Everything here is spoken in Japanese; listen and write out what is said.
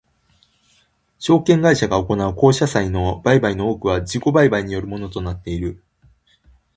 証券会社が行う公社債の売買の多くは自己売買によるものとなっている。